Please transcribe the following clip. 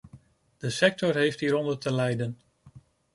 De sector heeft hieronder te lijden.